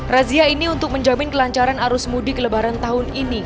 razia ini untuk menjamin kelancaran arus mudik lebaran tahun ini